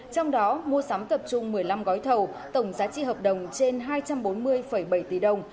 trong đó mua sắm tập trung một mươi năm gói thầu tổng giá trị hợp đồng trên hai trăm bốn mươi bảy tỷ đồng